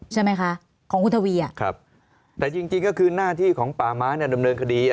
ใช่ไหมคะของคุณทวีอ่ะครับแต่จริงจริงก็คือหน้าที่ของป่าม้าเนี่ยดำเนินคดี